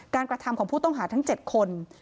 กระทำของผู้ต้องหาทั้ง๗คน